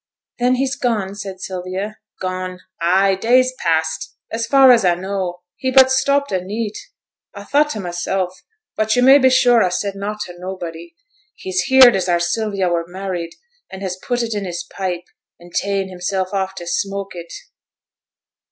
'Then he's gone?' said Sylvia. 'Gone; ay, days past. As far as a know, he but stopped a' neet. A thought to mysel' (but yo' may be sure a said nought to nobody), he's heerd as our Sylvia were married, and has put it in his pipe, and ta'en hissel' off to smoke it.'